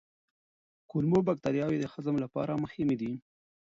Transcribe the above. کولمو بکتریاوې د هضم لپاره مهمې دي.